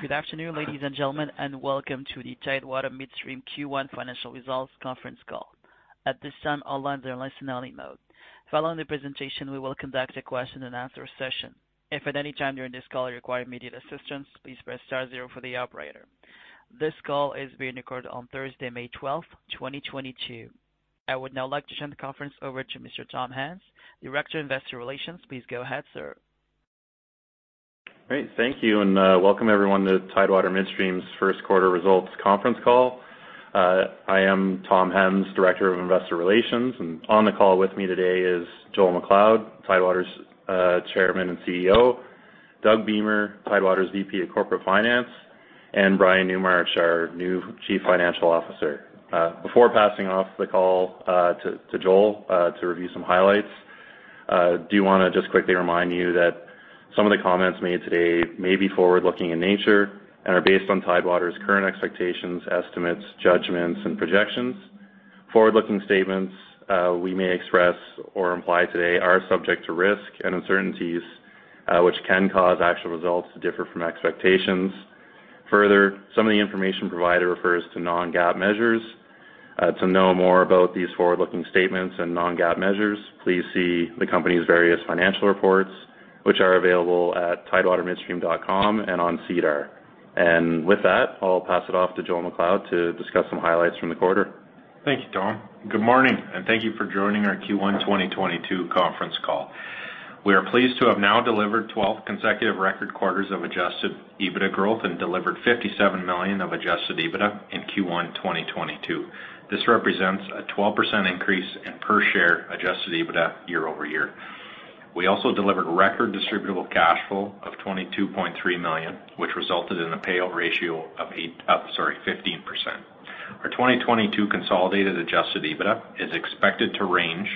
Good afternoon, ladies and gentlemen, and welcome to the Tidewater Midstream Q1 Financial Results Conference Call. At this time, all lines are in listen-only mode. Following the presentation, we will conduct a question-and-answer session. If at any time during this call you require immediate assistance, please press star zero for the operator. This call is being recorded on Thursday, May 12th, 2022. I would now like to turn the conference over to Mr. Tom Hems, Director of Investor Relations. Please go ahead, sir. Great. Thank you, and welcome everyone to Tidewater Midstream's first quarter results conference call. I am Tom Hems, Director of Investor Relations, and on the call with me today is Joel MacLeod, Tidewater's Chairman and CEO, Doug Beamer, Tidewater's VP of Corporate Finance, and Brian Newmarch, our new Chief Financial Officer. Before passing off the call to Joel to review some highlights, I do wanna just quickly remind you that some of the comments made today may be forward-looking in nature and are based on Tidewater's current expectations, estimates, judgments, and projections. Forward-looking statements we may express or imply today are subject to risk and uncertainties, which can cause actual results to differ from expectations. Further, some of the information provided refers to non-GAAP measures. To know more about these forward-looking statements and non-GAAP measures, please see the company's various financial reports which are available at tidewatermidstream.com and on SEDAR. With that, I'll pass it off to Joel MacLeod to discuss some highlights from the quarter. Thank you, Tom. Good morning, and thank you for joining our Q1 2022 conference call. We are pleased to have now delivered 12 consecutive record quarters of adjusted EBITDA growth and delivered 57 million of adjusted EBITDA in Q1 2022. This represents a 12% increase in per share adjusted EBITDA year-over-year. We also delivered record distributable cash flow of 22.3 million, which resulted in a payout ratio of 15%. Our 2022 consolidated adjusted EBITDA is expected to range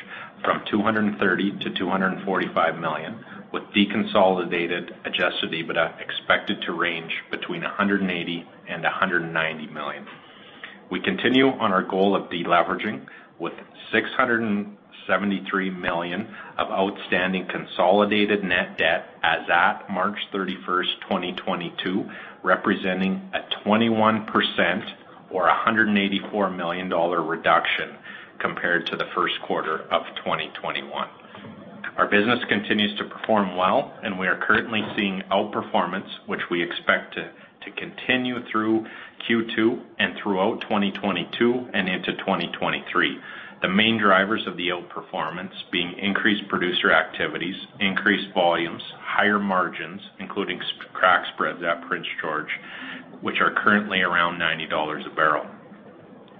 from 230 million-245 million, with deconsolidated adjusted EBITDA expected to range between 180 millon-190 million. We continue on our goal of deleveraging, with 673 million of outstanding consolidated net debt as at March 31, 2022, representing a 21% or 184 million dollar reduction compared to the first quarter of 2021. Our business continues to perform well, and we are currently seeing outperformance, which we expect to continue through Q2 and throughout 2022 and into 2023. The main drivers of the outperformance being increased producer activities, increased volumes, higher margins, including crack spreads at Prince George, which are currently around 90 dollars a barrel.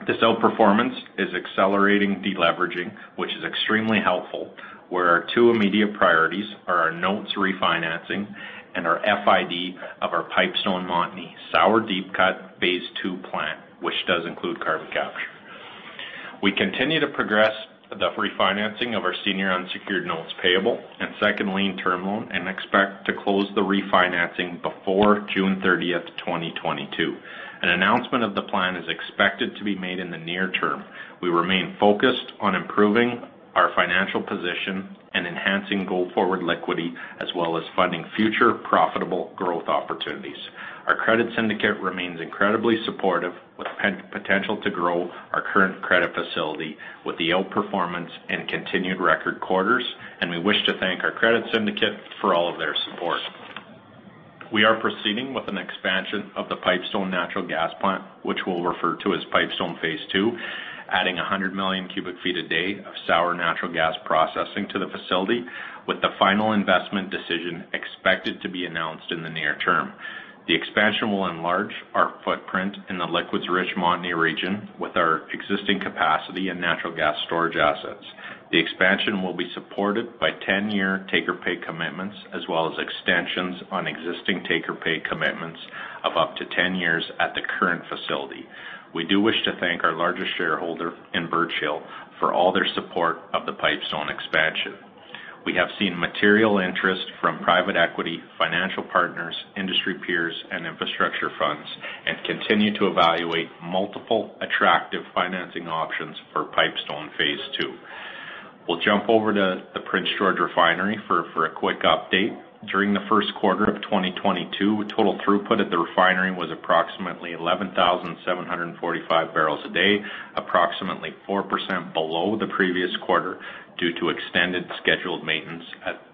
This outperformance is accelerating deleveraging, which is extremely helpful, where our two immediate priorities are our notes refinancing and our FID of our Pipestone Montney sour deep cut phase II plant, which does include carbon capture. We continue to progress the refinancing of our senior unsecured notes payable and second lien term loan and expect to close the refinancing before June 30th, 2022. An announcement of the plan is expected to be made in the near term. We remain focused on improving our financial position and enhancing go-forward liquidity, as well as funding future profitable growth opportunities. Our credit syndicate remains incredibly supportive, with potential to grow our current credit facility with the outperformance and continued record quarters, and we wish to thank our credit syndicate for all of their support. We are proceeding with an expansion of the Pipestone natural gas plant, which we'll refer to as Pipestone phase II, adding 100 million cubic feet a day of sour natural gas processing to the facility, with the final investment decision expected to be announced in the near term. The expansion will enlarge our footprint in the liquids-rich Montney region with our existing capacity and natural gas storage assets. The expansion will be supported by 10-year take-or-pay commitments as well as extensions on existing take-or-pay commitments of up to 10 years at the current facility. We do wish to thank our largest shareholder in Birch Hill for all their support of the Pipestone expansion. We have seen material interest from private equity, financial partners, industry peers, and infrastructure funds and continue to evaluate multiple attractive financing options for Pipestone phase II. We'll jump over to the Prince George Refinery for a quick update. During the first quarter of 2022, total throughput at the refinery was approximately 11,745 barrels a day, approximately 4% below the previous quarter due to extended scheduled maintenance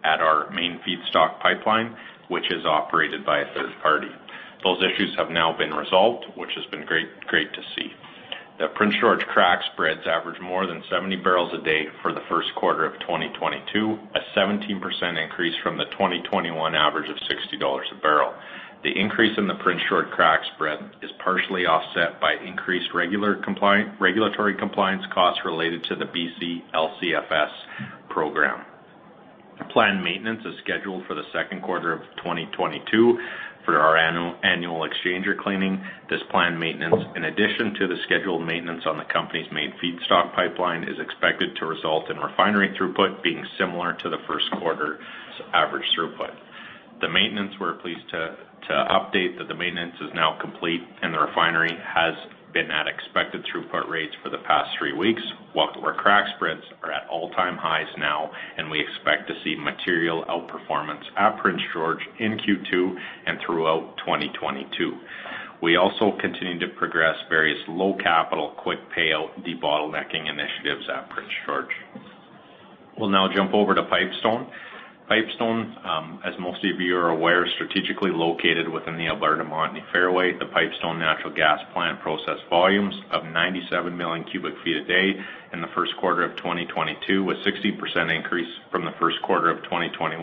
at our main feedstock pipeline, which is operated by a third party. Those issues have now been resolved, which has been great to see. The Prince George crack spreads averaged more than 70 a barrel for the first quarter of 2022, a 17% increase from the 2021 average of 60 dollars a barrel. The increase in the Prince George crack spread is partially offset by increased regular regulatory compliance costs related to the BC-LCFS program. Planned maintenance is scheduled for the second quarter of 2022 for our annual exchanger cleaning. This planned maintenance, in addition to the scheduled maintenance on the company's main feedstock pipeline, is expected to result in refinery throughput being similar to the first quarter's average throughput. The maintenance, we're pleased to update that the maintenance is now complete, and the refinery has been at expected throughput rates for the past three weeks. While our crack spreads are at all-time highs now, and we expect to see material outperformance at Prince George in Q2 and throughout 2022. We also continue to progress various low capital, quick payout, debottlenecking initiatives at Prince George. We'll now jump over to Pipestone. Pipestone, as most of you are aware, is strategically located within the Alberta Montney fairway. The Pipestone natural gas plant processed volumes of 97 million cubic feet a day in the first quarter of 2022, with 60% increase from the first quarter of 2021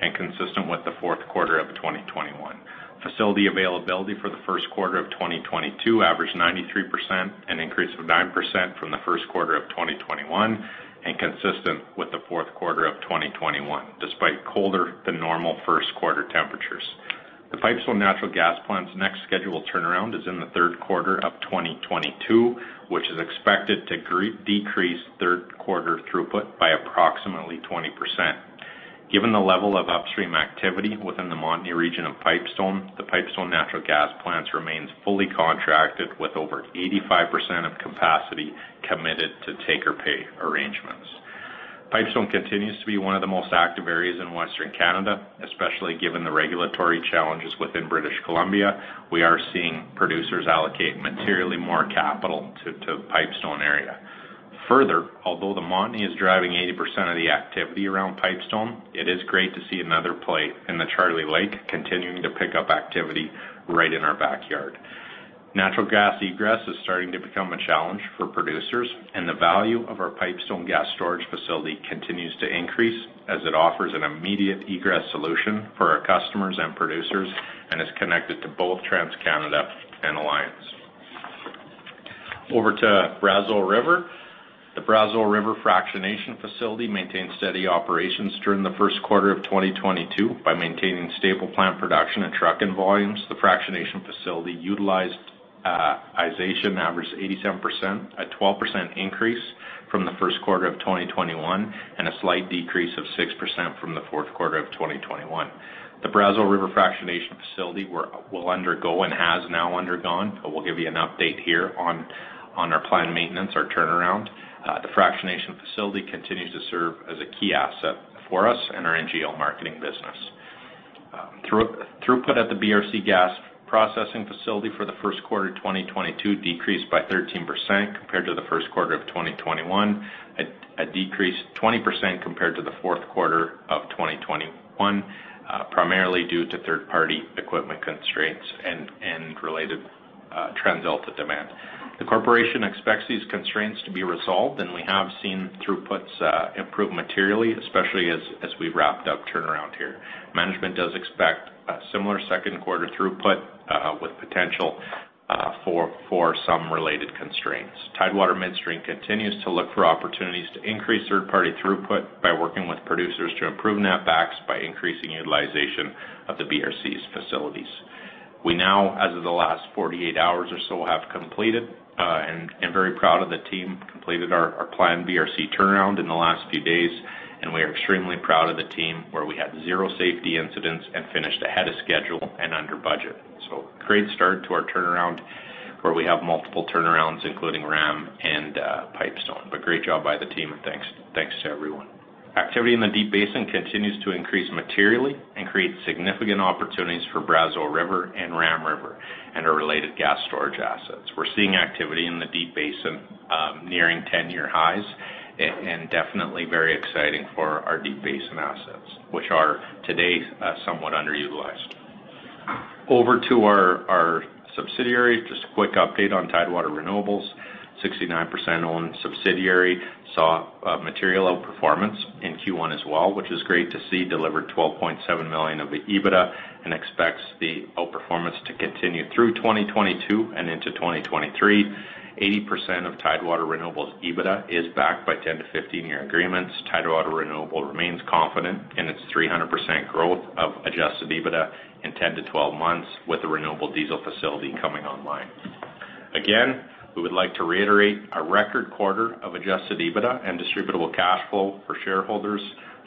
and consistent with the fourth quarter of 2021. Facility availability for the first quarter of 2022 averaged 93%, an increase of 9% from the first quarter of 2021 and consistent with the fourth quarter of 2021, despite colder than normal first quarter temperatures. The Pipestone natural gas plant's next scheduled turnaround is in the third quarter of 2022, which is expected to decrease third quarter throughput by approximately 20%. Given the level of upstream activity within the Montney region of Pipestone, the Pipestone natural gas plant remains fully contracted with over 85% of capacity committed to take-or-pay arrangements. Pipestone continues to be one of the most active areas in Western Canada, especially given the regulatory challenges within British Columbia. We are seeing producers allocate materially more capital to Pipestone area. Further, although the Montney is driving 80% of the activity around Pipestone, it is great to see another play in the Charlie Lake continuing to pick up activity right in our backyard. Natural gas egress is starting to become a challenge for producers, and the value of our Pipestone gas storage facility continues to increase as it offers an immediate egress solution for our customers and producers and is connected to both TransCanada and Alliance. Over to Brazeau River. The Brazeau River fractionation facility maintained steady operations during the first quarter of 2022. By maintaining stable plant production and trucking volumes, the fractionation facility utilization averaged 87%, a 12% increase from the first quarter of 2021, and a slight decrease of 6% from the fourth quarter of 2021. The Brazeau River fractionation facility will undergo and has now undergone, but we'll give you an update here on our planned maintenance, our turnaround. The fractionation facility continues to serve as a key asset for us and our NGL marketing business. Throughput at the BRC gas processing facility for the first quarter 2022 decreased by 13% compared to the first quarter of 2021. A decrease 20% compared to the fourth quarter of 2021, primarily due to third-party equipment constraints and related trends of the demand. The corporation expects these constraints to be resolved, and we have seen throughputs improve materially, especially as we wrapped up turnaround here. Management does expect a similar second quarter throughput with potential for some related constraints. Tidewater Midstream continues to look for opportunities to increase third-party throughput by working with producers to improve netbacks by increasing utilization of the BRC's facilities. We now, as of the last 48 hours or so, have completed and very proud of the team completed our planned BRC turnaround in the last few days. We are extremely proud of the team, where we had zero safety incidents and finished ahead of schedule and under budget. Great start to our turnaround, where we have multiple turnarounds, including Ram and Pipestone. Great job by the team. Thanks to everyone. Activity in the Deep Basin continues to increase materially and create significant opportunities for Brazeau River and Ram River and our related gas storage assets. We're seeing activity in the Deep Basin nearing 10-year highs and definitely very exciting for our Deep Basin assets, which are today somewhat underutilized. Over to our subsidiaries, just a quick update on Tidewater Renewables. 69% owned subsidiary saw a material outperformance in Q1 as well, which is great to see, delivered 12.7 million of the EBITDA and expects the outperformance to continue through 2022 and into 2023. 80% of Tidewater Renewables' EBITDA is backed by 10- to 15-year agreements. Tidewater Renewables remains confident in its 300% growth of adjusted EBITDA in 10 to 12 months with the renewable diesel facility coming online. Again, we would like to reiterate a record quarter of adjusted EBITDA and distributable cash flow for shareholders.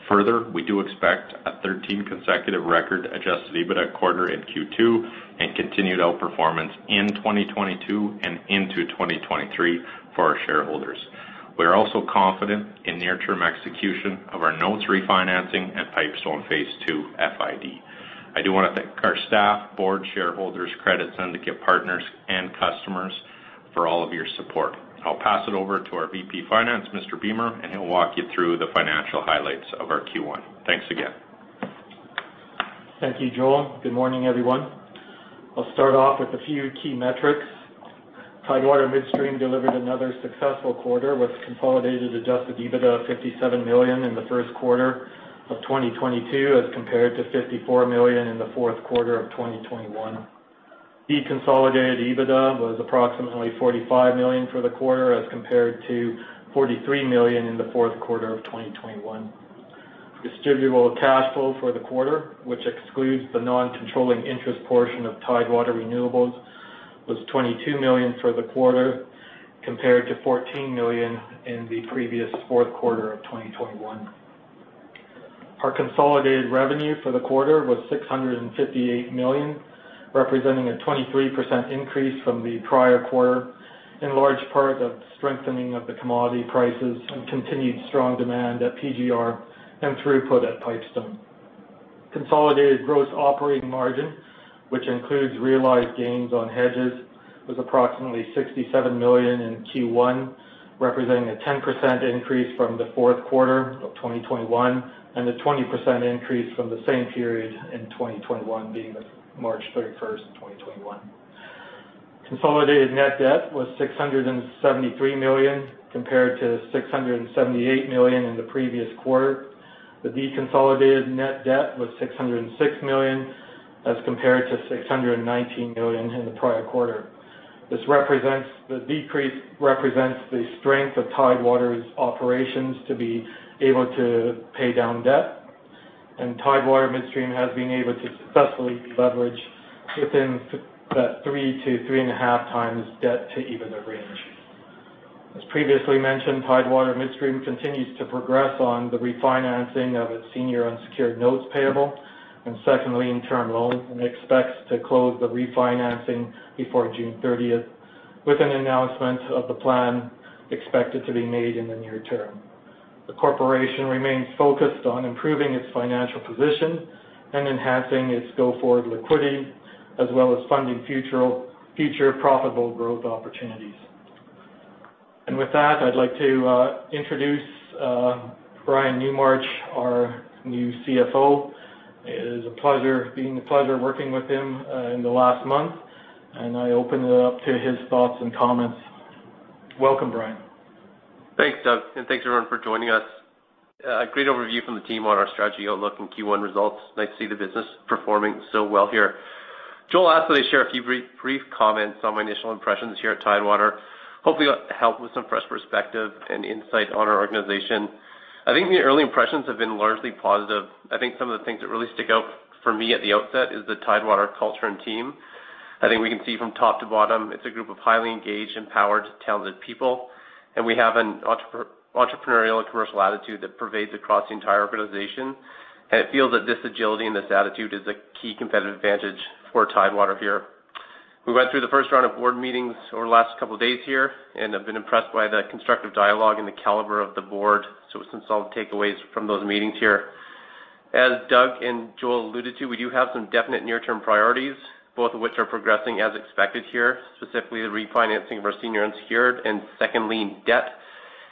Further, we do expect a 13 consecutive record adjusted EBITDA quarter in Q2 and continued outperformance in 2022 and into 2023 for our shareholders. We are also confident in near-term execution of our notes refinancing at Pipestone phase II FID. I do wanna thank our staff, board, shareholders, credit syndicate partners, and customers for all of your support. I'll pass it over to our VP Finance, Mr. Beamer, and he'll walk you through the financial highlights of our Q1. Thanks again. Thank you, Joel. Good morning, everyone. I'll start off with a few key metrics. Tidewater Midstream delivered another successful quarter with consolidated adjusted EBITDA of 57 million in the first quarter of 2022, as compared to 54 million in the fourth quarter of 2021. Deconsolidated EBITDA was approximately 45 million for the quarter, as compared to 43 million in the fourth quarter of 2021. Distributable cash flow for the quarter, which excludes the non-controlling interest portion of Tidewater Renewables, was 22 million for the quarter, compared to 14 million in the previous fourth quarter of 2021. Our consolidated revenue for the quarter was 658 million, representing a 23% increase from the prior quarter in large part due to strengthening of the commodity prices and continued strong demand at PGR and throughput at Pipestone. Consolidated gross operating margin, which includes realized gains on hedges, was approximately 67 million in Q1, representing a 10% increase from the fourth quarter of 2021, and a 20% increase from the same period in 2021 being March 31st, 2021. Consolidated net debt was 673 million, compared to 678 million in the previous quarter. The deconsolidated net debt was 606 million, as compared to 619 million in the prior quarter. The decrease represents the strength of Tidewater's operations to be able to pay down debt, and Tidewater Midstream has been able to successfully leverage within that 3x-3.5x debt to EBITDA range. As previously mentioned, Tidewater Midstream continues to progress on the refinancing of its senior unsecured notes payable, and secondly, in term loans, and expects to close the refinancing before June 30th, 2022 with an announcement of the plan expected to be made in the near term. The corporation remains focused on improving its financial position and enhancing its go-forward liquidity, as well as funding future profitable growth opportunities. With that, I'd like to introduce Brian Newmarch, our new CFO. It has been a pleasure working with him in the last month, and I open it up to his thoughts and comments. Welcome, Brian. Thanks, Doug, and thanks everyone for joining us. A great overview from the team on our strategy outlook and Q1 results. Nice to see the business performing so well here. Joel asked that I share a few brief comments on my initial impressions here at Tidewater. Hopefully, it'll help with some fresh perspective and insight on our organization. I think the early impressions have been largely positive. I think some of the things that really stick out for me at the outset is the Tidewater culture and team. I think we can see from top to bottom, it's a group of highly engaged, empowered, talented people, and we have an entrepreneurial commercial attitude that pervades across the entire organization. It feels that this agility and this attitude is a key competitive advantage for Tidewater here. We went through the first round of board meetings over the last couple of days here, and I've been impressed by the constructive dialogue and the caliber of the board, so some solid takeaways from those meetings here. As Doug and Joel alluded to, we do have some definite near-term priorities, both of which are progressing as expected here, specifically the refinancing of our senior unsecured and second-lien debt,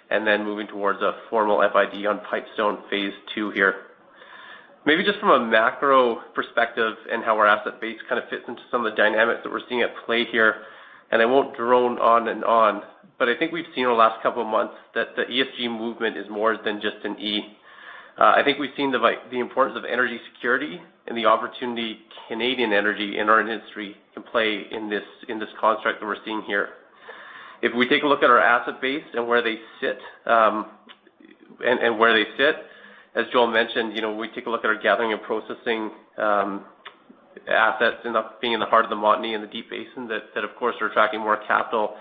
and then moving towards a formal FID on Pipestone phase II here. Maybe just from a macro perspective and how our asset base kind of fits into some of the dynamics that we're seeing at play here, and I won't drone on and on, but I think we've seen over the last couple of months that the ESG movement is more than just an E. I think we've seen the importance of energy security and the opportunity Canadian energy in our industry can play in this construct that we're seeing here. If we take a look at our asset base and where they sit, as Joel mentioned, you know, when we take a look at our gathering and processing assets end up being in the heart of the Montney in the Deep Basin, that of course are attracting more capital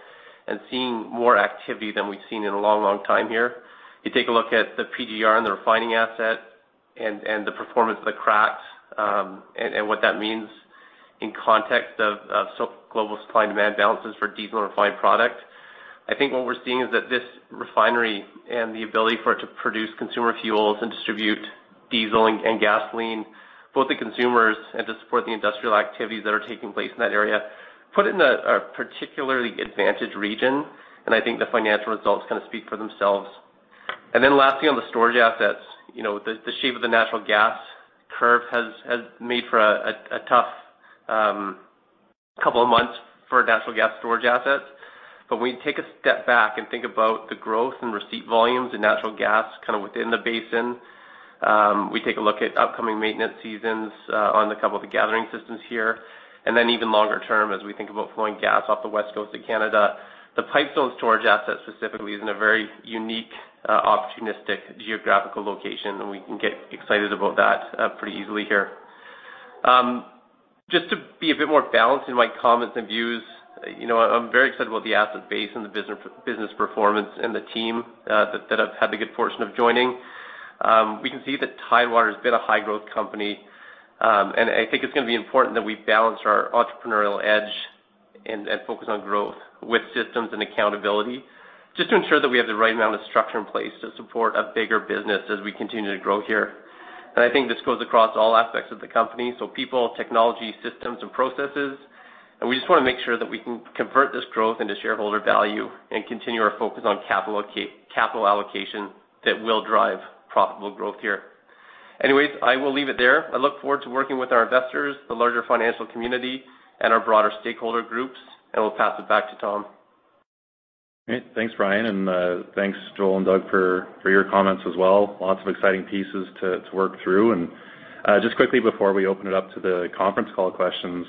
and seeing more activity than we've seen in a long time here. You take a look at the PGR and the refining asset and the performance of the cracks, and what that means in context of global supply and demand balances for diesel and refined product. I think what we're seeing is that this refinery and the ability for it to produce consumer fuels and distribute diesel and gasoline, both to consumers and to support the industrial activities that are taking place in that area, put it in a particularly advantaged region. I think the financial results kind of speak for themselves. Then lastly, on the storage assets, you know, the shape of the natural gas curve has made for a tough couple of months for natural gas storage assets. When we take a step back and think about the growth in receipt volumes and natural gas kind of within the basin, we take a look at upcoming maintenance seasons on a couple of the gathering systems here. Even longer term, as we think about flowing gas off the West Coast of Canada, the Pipestone storage asset specifically is in a very unique, opportunistic geographical location, and we can get excited about that, pretty easily here. Just to be a bit more balanced in my comments and views, you know, I'm very excited about the asset base and the business performance and the team, that I've had the good fortune of joining. We can see that Tidewater's been a high-growth company, and I think it's gonna be important that we balance our entrepreneurial edge and focus on growth with systems and accountability just to ensure that we have the right amount of structure in place to support a bigger business as we continue to grow here. I think this goes across all aspects of the company, so people, technology, systems and processes. We just wanna make sure that we can convert this growth into shareholder value and continue our focus on capital allocation that will drive profitable growth here. Anyways, I will leave it there. I look forward to working with our investors, the larger financial community and our broader stakeholder groups, and we'll pass it back to Tom. Great. Thanks, Brian, and thanks Joel and Doug for your comments as well. Lots of exciting pieces to work through. Just quickly before we open it up to the conference call questions,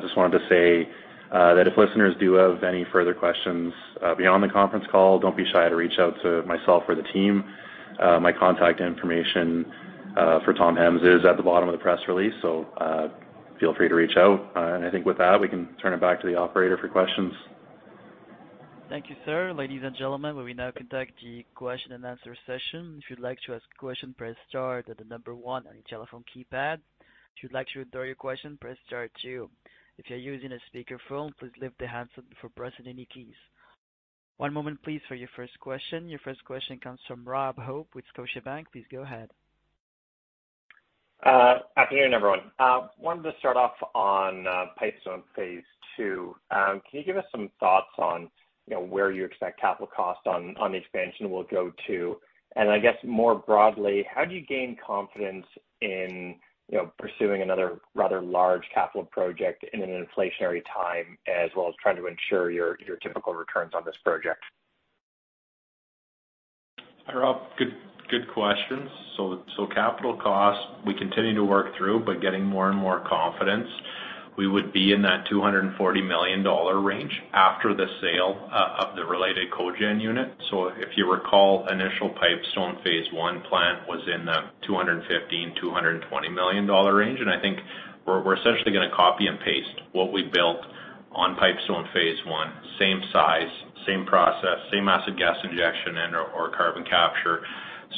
just wanted to say that if listeners do have any further questions beyond the conference call, don't be shy to reach out to myself or the team. My contact information for Tom Hems is at the bottom of the press release, so feel free to reach out. I think with that, we can turn it back to the operator for questions. Thank you, sir. Ladies and gentlemen, we will now conduct the question-and-answer session. If you'd like to ask a question, press star, then the number one on your telephone keypad. If you'd like to withdraw your question, press star two. If you're using a speakerphone, please lift the handset before pressing any keys. One moment please for your first question. Your first question comes from Rob Hope with Scotiabank. Please go ahead. Afternoon, everyone. Wanted to start off on Pipestone phase II. Can you give us some thoughts on, you know, where you expect capital costs on the expansion will go to? I guess more broadly, how do you gain confidence in, you know, pursuing another rather large capital project in an inflationary time, as well as trying to ensure your typical returns on this project? Hi, Rob. Good questions. Capital costs, we continue to work through, but getting more and more confidence. We would be in that 240 million dollar range after the sale of the related cogen unit. If you recall, initial Pipestone phase I plant was in the 215 million-220 million dollar range. I think we're essentially gonna copy and paste what we built on Pipestone phase I, same size, same process, same acid gas injection and/or carbon capture.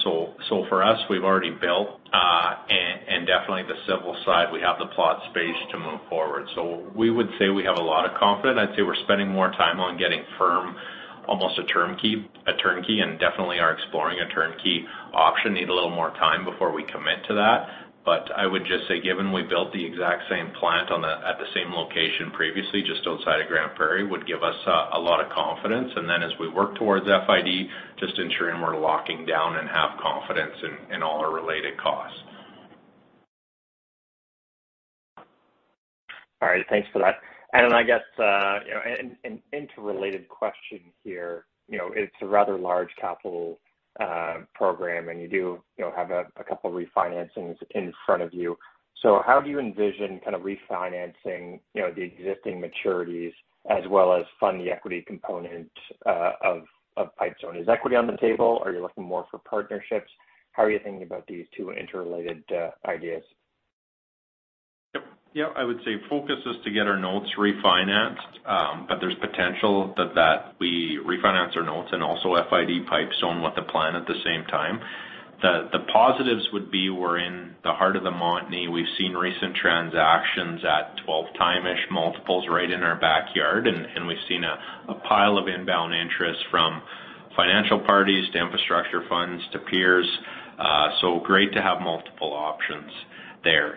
For us, we've already built and definitely the civil side, we have the plot space to move forward. We would say we have a lot of confidence. I'd say we're spending more time on getting firm, almost a turnkey, and definitely are exploring a turnkey option. Need a little more time before we commit to that. I would just say, given we built the exact same plant at the same location previously, just outside of Grande Prairie, would give us a lot of confidence. As we work towards FID, just ensuring we're locking down and have confidence in all our related costs. All right. Thanks for that. I guess, you know, an interrelated question here, you know, it's a rather large capital program, and you do, you know, have a couple refinancings in front of you. How do you envision kind of refinancing, you know, the existing maturities as well as fund the equity component of Pipestone? Is equity on the table? Are you looking more for partnerships? How are you thinking about these two interrelated ideas? Yeah, I would say focus is to get our notes refinanced, but there's potential that we refinance our notes and also FID Pipestone with the plan at the same time. The positives would be we're in the heart of the Montney. We've seen recent transactions at 12x-ish multiples right in our backyard, and we've seen a pile of inbound interest from financial parties to infrastructure funds to peers. Great to have multiple options there.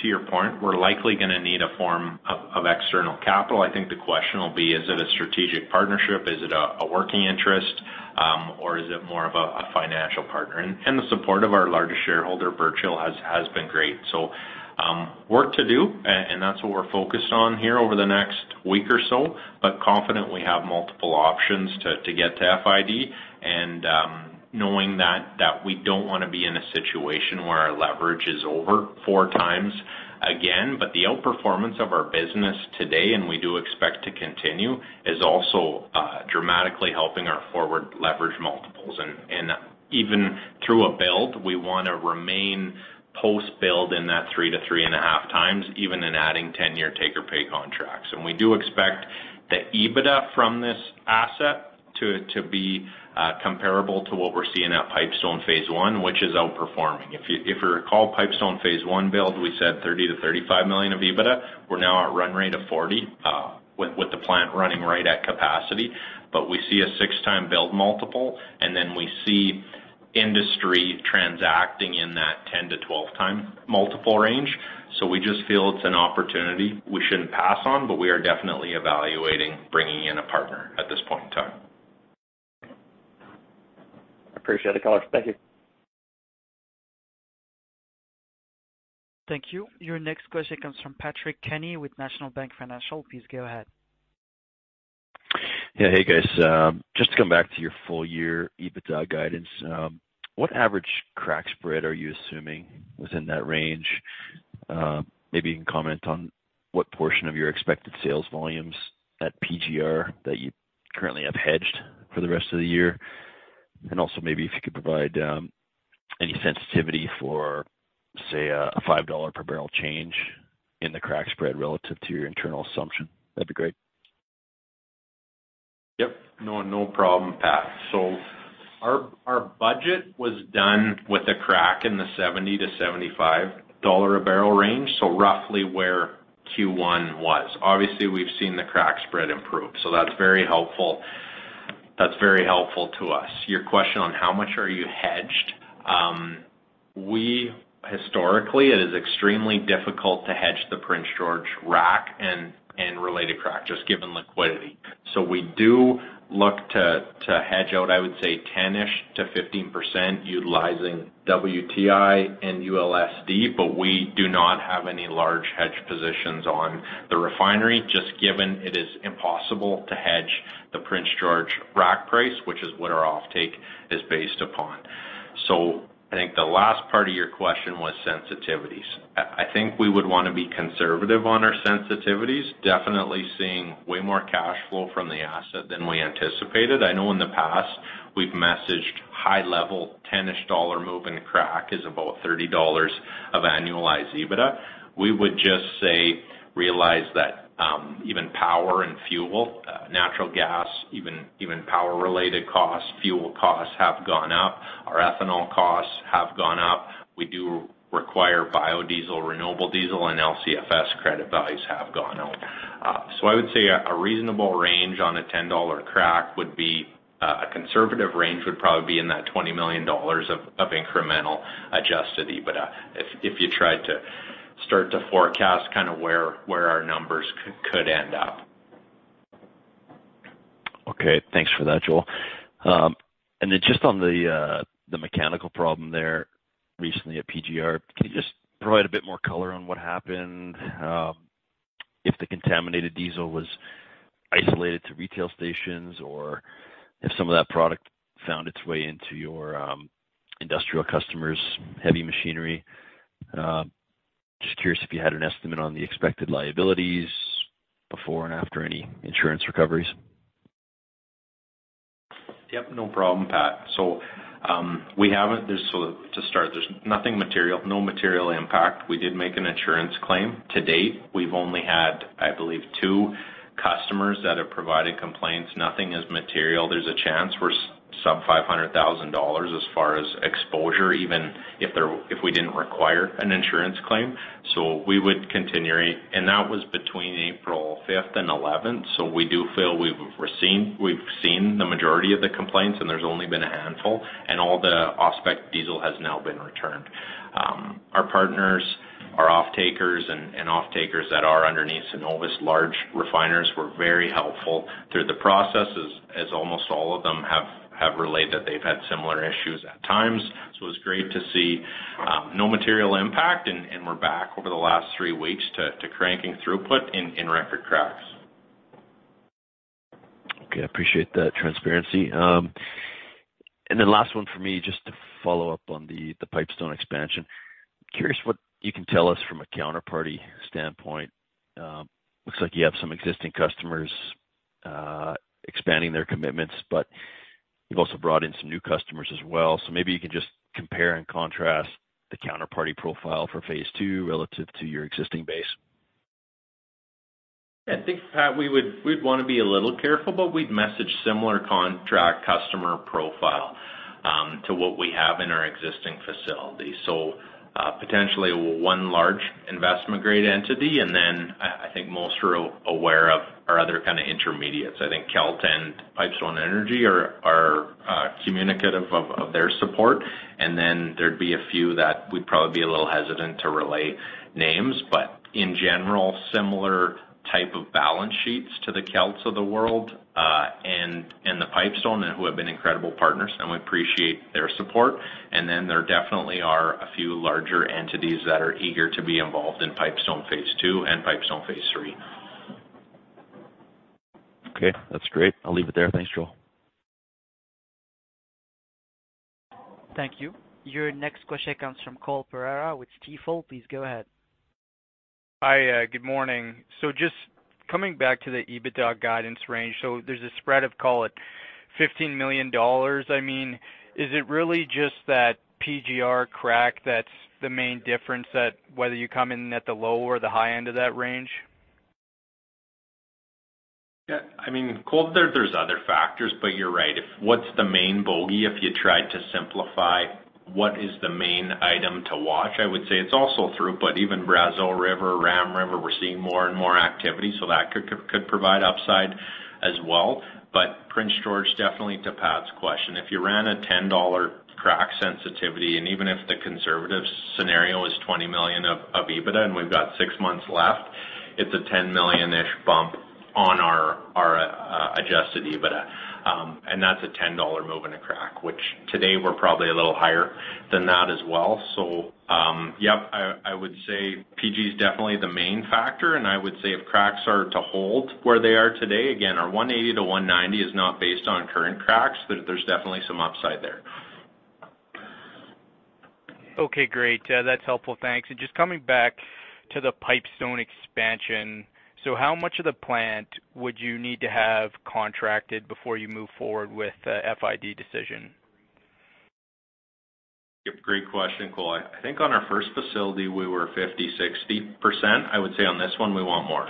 To your point, we're likely gonna need a form of external capital. I think the question will be, is it a strategic partnership? Is it a working interest? Or is it more of a financial partner? The support of our largest shareholder, Birch Hill, has been great. Work to do, and that's what we're focused on here over the next week or so, but confident we have multiple options to get to FID. Knowing that we don't wanna be in a situation where our leverage is over 4x again. The outperformance of our business today, and we do expect to continue, is also dramatically helping our forward leverage multiples. Even through a build, we wanna remain post-build in that 3x-3.5x, even in adding 10-year take-or-pay contracts. We do expect the EBITDA from this asset to be comparable to what we're seeing at Pipestone phase I, which is outperforming. If you recall, Pipestone phase I build, we said 30 million-35 million of EBITDA. We're now at run rate of 40, with the plant running right at capacity. We see a 6x build multiple, and then we see industry transacting in that 10x-12x multiple range. We just feel it's an opportunity we shouldn't pass on, but we are definitely evaluating bringing in a partner at this point in time. Appreciate the color. Thank you. Thank you. Your next question comes from Patrick Kenny with National Bank Financial. Please go ahead. Yeah. Hey, guys. Just to come back to your full-year EBITDA guidance, what average crack spread are you assuming within that range? Maybe you can comment on what portion of your expected sales volumes at PGR that you currently have hedged for the rest of the year. Maybe if you could provide any sensitivity for, say, a 5 dollar per barrel change in the crack spread relative to your internal assumption. That'd be great. Yep. No, no problem, Pat. Our budget was done with a crack in the 70-75 dollar a barrel range, roughly where Q1 was. Obviously, we've seen the crack spread improve, that's very helpful. That's very helpful to us. Your question on how much are you hedged? Historically, it is extremely difficult to hedge the Prince George rack and related crack just given liquidity. We do look to hedge out, I would say, 10%-15% utilizing WTI and ULSD, but we do not have any large hedge positions on the refinery just given it is impossible to hedge the Prince George rack price, which is what our offtake is based upon. I think the last part of your question was sensitivities. I think we would wanna be conservative on our sensitivities, definitely seeing way more cash flow from the asset than we anticipated. I know in the past we've messaged high-level 10-ish dollar move in crack is about 30 dollars of annualized EBITDA. We would just say realize that even power and fuel, natural gas, even power-related costs, fuel costs have gone up. Our ethanol costs. We do require biodiesel, renewable diesel, and LCFS credit values have gone up. I would say a reasonable range on a 10 dollar crack would be, a conservative range would probably be in that 20 million dollars of incremental adjusted EBITDA if you tried to start to forecast kinda where our numbers could end up. Okay. Thanks for that, Joel. Just on the mechanical problem there recently at PGR, can you just provide a bit more color on what happened? If the contaminated diesel was isolated to retail stations, or if some of that product found its way into your industrial customers' heavy machinery? Just curious if you had an estimate on the expected liabilities before and after any insurance recoveries. Yep, no problem, Pat. To start, there's nothing material, no material impact. We did make an insurance claim. To date, we've only had, I believe, two customers that have provided complaints. Nothing is material. There's a chance for some 500,000 dollars as far as exposure, even if we didn't require an insurance claim. We would continue. That was between April fifth and eleventh. We do feel we've received, we've seen the majority of the complaints, and there's only been a handful, and all the off-spec diesel has now been returned. Our partners, our offtakers, and offtakers that are underneath Cenovus large refiners were very helpful through the process as almost all of them have relayed that they've had similar issues at times. It's great to see no material impact and we're back over the last three weeks to cranking throughput in record cracks. Okay. I appreciate that transparency. Last one for me, just to follow up on the Pipestone expansion. Curious what you can tell us from a counterparty standpoint. Looks like you have some existing customers expanding their commitments, but you've also brought in some new customers as well. Maybe you can just compare and contrast the counterparty profile for phase two relative to your existing base. Yeah, I think, Pat, we would we'd wanna be a little careful, but we'd message similar contract customer profile to what we have in our existing facility. Potentially one large investment-grade entity, and then I think most are aware of our other kinda intermediates. I think Kelt and Pipestone Energy are communicative of their support. Then there'd be a few that we'd probably be a little hesitant to relay names, but in general, similar type of balance sheets to the Kelts of the world, and the Pipestone, and who have been incredible partners, and we appreciate their support. Then there definitely are a few larger entities that are eager to be involved in Pipestone phase II and Pipestone phase III. Okay. That's great. I'll leave it there. Thanks, Joel. Thank you. Your next question comes from Cole Pereira with Stifel. Please go ahead. Hi. Good morning. Just coming back to the EBITDA guidance range. There's a spread of, call it, 15 million dollars. I mean, is it really just that PGR crack that's the main difference that whether you come in at the low or the high end of that range? Yeah. I mean, Cole, there's other factors, but you're right. If, what's the main bogey if you try to simplify what is the main item to watch? I would say it's also throughput, but even Brazeau River, Ram River, we're seeing more and more activity, so that could provide upside as well. Prince George, definitely to Pat's question. If you ran a 10 dollar crack sensitivity, and even if the conservative scenario is 20 million of EBITDA, and we've got six months left, it's a 10 million-ish bump on our adjusted EBITDA. And that's a 10 dollar move in a crack, which today we're probably a little higher than that as well. yep, I would say PG is definitely the main factor, and I would say if cracks are to hold where they are today, again, our 180-190 is not based on current cracks. There's definitely some upside there. Okay, great. That's helpful. Thanks. Just coming back to the Pipestone expansion. So how much of the plant would you need to have contracted before you move forward with the FID decision? Yep, great question, Cole. I think on our first facility, we were 50%-60%. I would say on this one, we want more.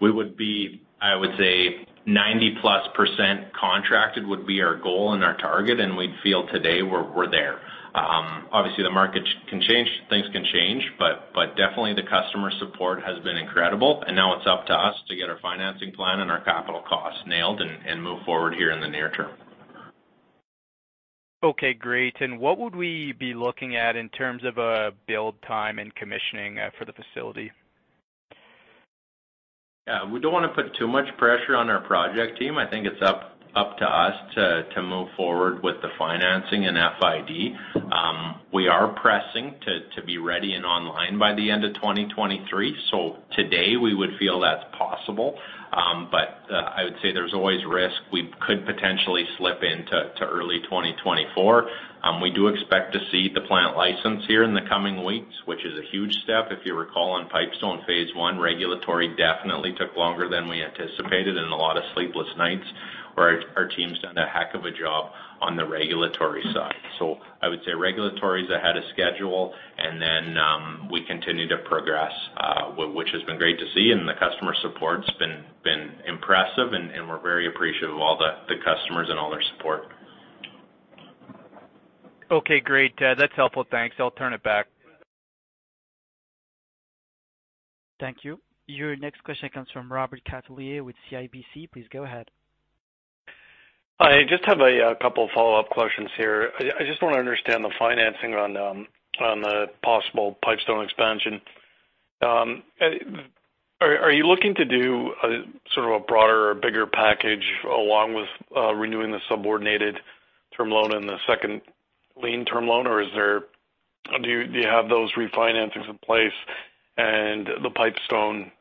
We would be, I would say 90%+ contracted would be our goal and our target, and we'd feel today we're there. Obviously, the market can change, things can change, but definitely the customer support has been incredible, and now it's up to us to get our financing plan and our capital costs nailed and move forward here in the near term. Okay, great. What would we be looking at in terms of a build time and commissioning for the facility? Yeah. We don't wanna put too much pressure on our project team. I think it's up to us to move forward with the financing and FID. We are pressing to be ready and online by the end of 2023. Today, we would feel that's possible. But I would say there's always risk. We could potentially slip into early 2024. We do expect to see the plant license here in the coming weeks, which is a huge step. If you recall on Pipestone phase I, regulatory definitely took longer than we anticipated and a lot of sleepless nights. Our team's done a heck of a job on the regulatory side. I would say regulatory is ahead of schedule, and then we continue to progress, which has been great to see, and the customer support's been impressive, and we're very appreciative of all the customers and all their support. Okay, great. That's helpful. Thanks. I'll turn it back. Thank you. Your next question comes from Robert Catellier with CIBC. Please go ahead. I just have a couple follow-up questions here. I just wanna understand the financing on the possible Pipestone expansion. Are you looking to do a sort of a broader or bigger package along with renewing the subordinated term loan and the second lien term loan? Do you have those refinancings in place and the Pipestone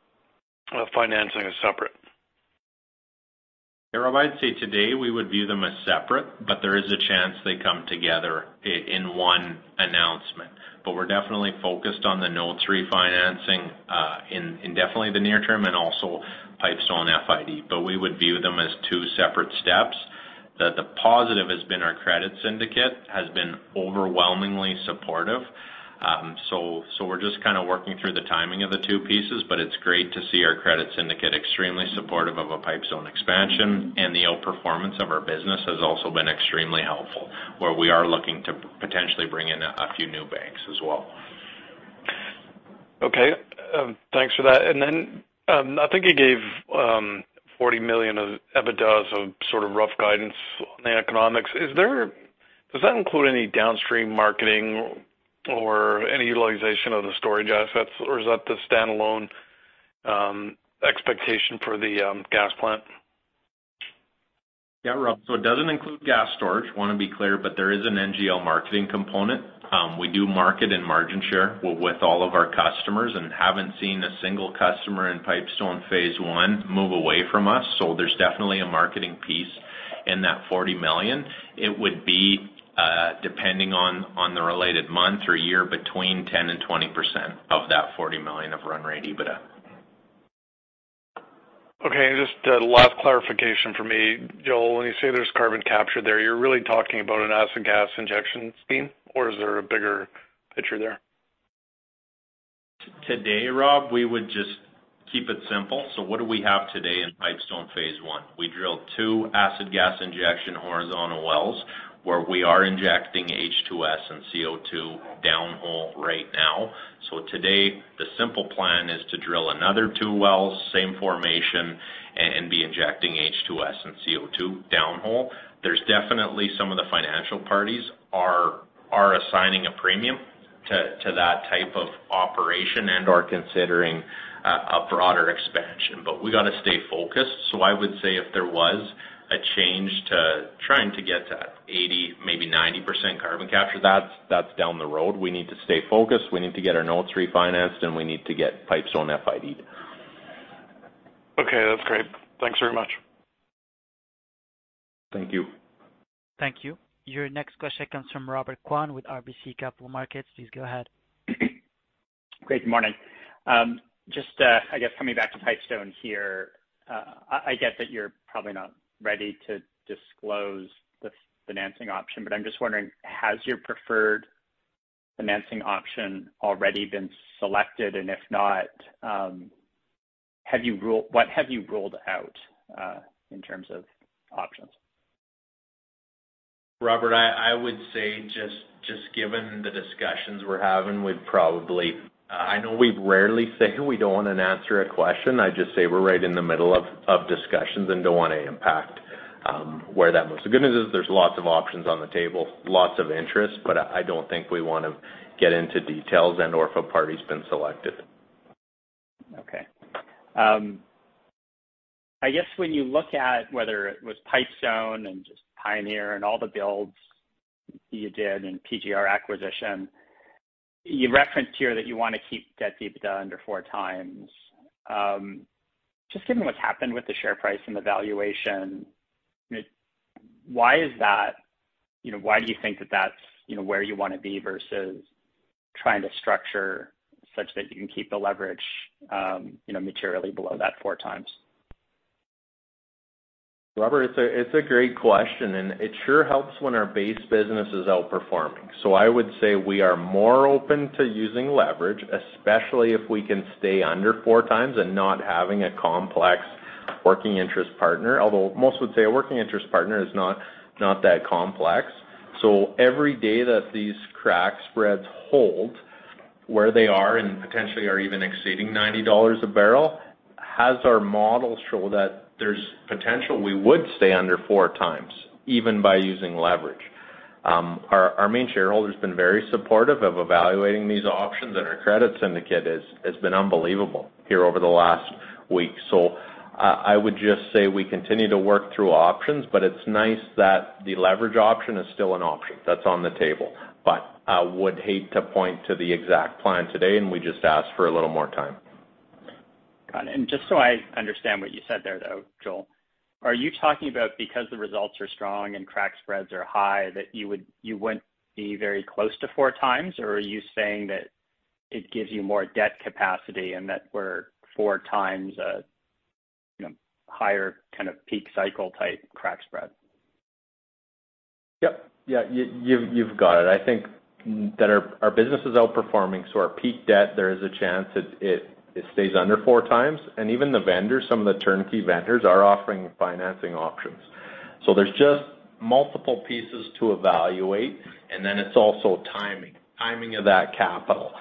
financing is separate? Yeah, Robert, I'd say today we would view them as separate, but there is a chance they come together in one announcement. We're definitely focused on the notes refinancing, in definitely the near term and also Pipestone FID. We would view them as two separate steps. The positive has been our credit syndicate has been overwhelmingly supportive. We're just kinda working through the timing of the two pieces, but it's great to see our credit syndicate extremely supportive of a Pipestone expansion. The outperformance of our business has also been extremely helpful, where we are looking to potentially bring in a few new banks as well. Thanks for that. I think you gave 40 million of EBITDA as a sort of rough guidance on the economics. Does that include any downstream marketing or any utilization of the storage assets, or is that the standalone expectation for the gas plant? Yeah, Rob. It doesn't include gas storage, wanna be clear, but there is an NGL marketing component. We do market and margin share with all of our customers and haven't seen a single customer in Pipestone phase I move away from us. There's definitely a marketing piece in that 40 million. It would be, depending on the related month or year, between 10%-20% of that 40 million of run rate EBITDA. Okay. Just last clarification for me, Joel. When you say there's carbon capture there, you're really talking about an acid gas injection scheme, or is there a bigger picture there? Today, Rob, we would just keep it simple. What do we have today in Pipestone phase I? We drilled two acid gas injection horizontal wells, where we are injecting H2S and CO2 downhole right now. Today, the simple plan is to drill another two wells, same formation, and be injecting H2S and CO2 downhole. There's definitely some of the financial parties are assigning a premium to that type of operation and are considering a broader expansion. We gotta stay focused, so I would say if there was a change to trying to get to 80%, maybe 90% carbon capture, that's down the road. We need to stay focused. We need to get our notes refinanced, and we need to get Pipestone FID. Okay. That's great. Thanks very much. Thank you. Thank you. Your next question comes from Robert Kwan with RBC Capital Markets. Please go ahead. Great, good morning. Just, I guess coming back to Pipestone here, I get that you're probably not ready to disclose the financing option, but I'm just wondering, has your preferred financing option already been selected? If not, what have you ruled out, in terms of options? Robert, I would say just given the discussions we're having, we'd probably. I know we rarely say we don't wanna answer a question. I just say we're right in the middle of discussions and don't wanna impact where that goes. The good news is there's lots of options on the table, lots of interest, but I don't think we wanna get into details and/or if a party's been selected. Okay. I guess when you look at whether it was Pipestone and just Pioneer and all the builds you did and PGR acquisition, you referenced here that you wanna keep debt to EBITDA under 4x. Just given what's happened with the share price and the valuation, I mean, why is that, you know, why do you think that that's, you know, where you wanna be versus trying to structure such that you can keep the leverage, you know, materially below that 4x? Robert, it's a great question, and it sure helps when our base business is outperforming. I would say we are more open to using leverage, especially if we can stay under 4x and not having a complex working interest partner. Although most would say a working interest partner is not that complex. Every day that these crack spreads hold where they are and potentially are even exceeding 90 dollars a barrel, as our models show that there's potential we would stay under 4x, even by using leverage. Our main shareholder's been very supportive of evaluating these options, and our credit syndicate has been unbelievable here over the last week. I would just say we continue to work through options, but it's nice that the leverage option is still an option that's on the table. I would hate to point to the exact plan today, and we just ask for a little more time. Got it. Just so I understand what you said there, though, Joel, are you talking about because the results are strong and crack spreads are high, that you wouldn't be very close to 4x? Or are you saying that it gives you more debt capacity and that we're 4x, you know, higher kind of peak cycle type crack spread? Yeah, you've got it. I think that our business is outperforming, so our peak debt, there is a chance it stays under 4x. Even the vendors, some of the turnkey vendors are offering financing options. There's just multiple pieces to evaluate, and then it's also timing of that capital.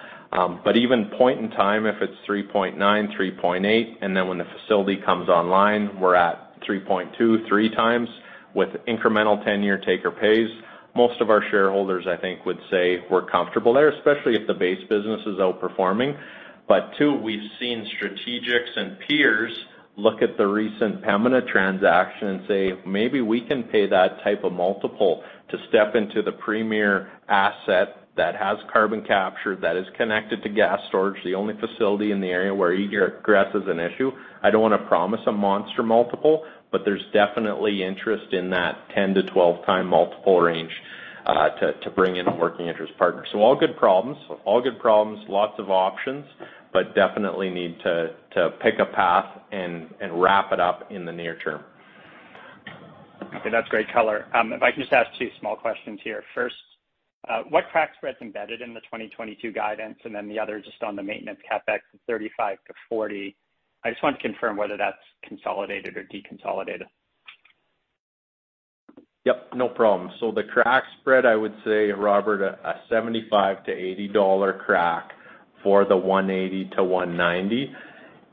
But even at a point in time, if it's 3.9x, 3.8x, and then when the facility comes online, we're at 3.2x, 3x with incremental 10-year take-or-pay. Most of our shareholders, I think, would say we're comfortable there, especially if the base business is outperforming. Two, we've seen strategics and peers look at the recent Pembina transaction and say, "Maybe we can pay that type of multiple to step into the premier asset that has carbon capture, that is connected to gas storage, the only facility in the area where egress is an issue." I don't wanna promise a monster multiple, but there's definitely interest in that 10x-12x multiple range, to bring in a working interest partner. All good problems, lots of options, but definitely need to pick a path and wrap it up in the near term. Okay, that's great color. If I can just ask two small questions here. First, what crack spread is embedded in the 2022 guidance? The other just on the maintenance CapEx of 35-40. I just wanted to confirm whether that's consolidated or deconsolidated. Yep, no problem. The crack spread, I would say, Robert, a 75-80 crack for the 180-190.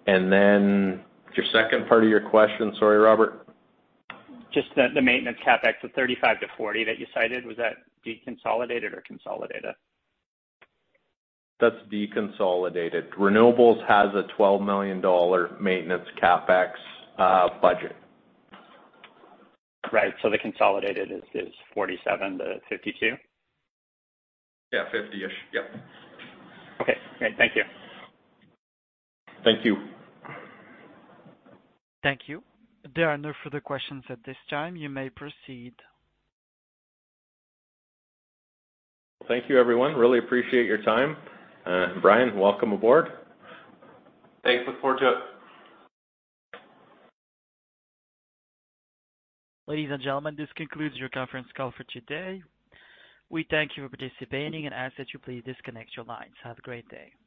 Then your second part of your question, sorry, Robert. Just the maintenance CapEx of 35-40 that you cited, was that deconsolidated or consolidated? That's deconsolidated. Renewables has a 12 million dollar maintenance CapEx budget. Right. The consolidated is 47-52? Yeah, 50-ish. Yep. Okay, great. Thank you. Thank you. Thank you. There are no further questions at this time. You may proceed. Thank you, everyone. Really appreciate your time. Brian, welcome aboard. Thanks, look forward to it. Ladies and gentlemen, this concludes your conference call for today. We thank you for participating and ask that you please disconnect your lines. Have a great day.